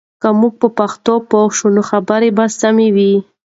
که موږ په پښتو پوه شو، نو خبرې به سمې وي.